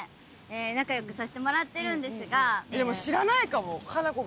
仲良くさせてもらってるんですが。